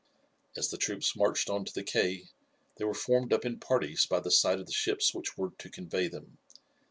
As the troops marched on to the quay they were formed up in parties by the side of the ships which were to convey them.